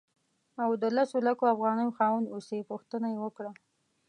او د لسو لکو افغانیو خاوند اوسې پوښتنه یې وکړه.